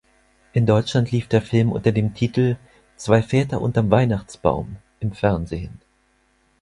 In Deutschland lief der Film unter dem Titel "Zwei Väter unterm Weihnachtsbaum" im Fernsehen.